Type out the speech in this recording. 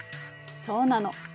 そうなの。